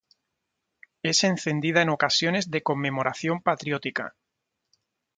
Es encendida en ocasiones de conmemoración patriótica.